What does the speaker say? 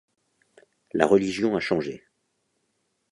La Religion a changé.